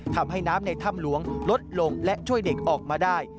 ทำให้น้ำในถ้ำหลวงลดลงและช่วยเด็กออกมาได้